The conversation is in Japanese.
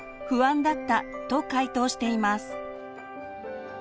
不安だったと回答しています。